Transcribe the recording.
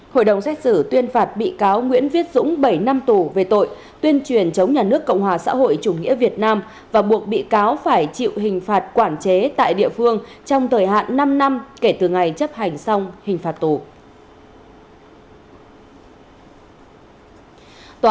hội đồng xét xử tuyên phạt bị cáo nguyễn viết dũng bảy năm tù về tội tuyên truyền chống nhà nước cộng hòa xã hội chủ nghĩa việt nam và buộc bị cáo phải chịu hình phạt quản chế tại địa phương trong thời hạn năm năm kể từ ngày chấp hành xong hình phạt tù